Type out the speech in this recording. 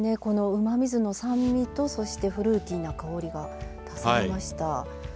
このうまみ酢の酸味とそしてフルーティーな香りが足されました。